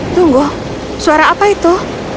tunggu suara apa itu